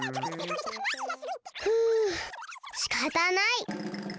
ふうしかたない。